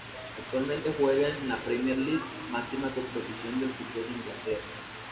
Actualmente juega en la Premier League, máxima competición de fútbol de Inglaterra.